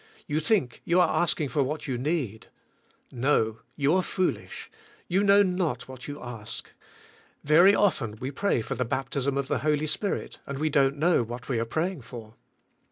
You think you are asking for what you need. No I you are fool ish. You know not what you ask. Very often we pray for the baptism of the Holy Spirit and we don't know what we are praying for.